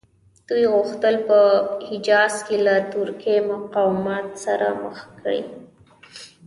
دوی غوښتل په حجاز کې له ترکي مقاماتو سره خبرې وکړي.